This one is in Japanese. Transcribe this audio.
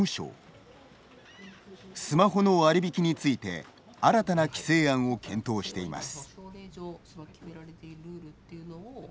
スマホの割引について新たな規制案を検討しています。